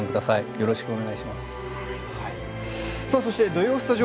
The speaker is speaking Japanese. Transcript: よろしくお願いします。